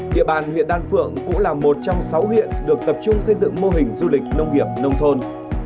địa bàn huyện đan phượng cũng là một trong sáu huyện được tập trung xây dựng mô hình du lịch nông nghiệp nông thôn